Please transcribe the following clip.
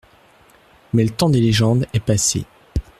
Mais le temps des légendes est passé.